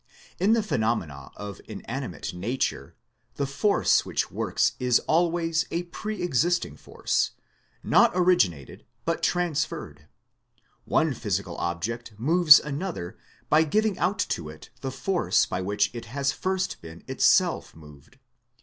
In the pheno mena of inanimate nature the force which works is always a pre existing force, not originated, but trans ferred. One physical object moves another by giving out to it the force by which it has first been itself moved.